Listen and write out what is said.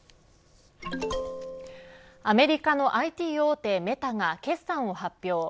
アメリカのＩＴ大手メタが決算を発表。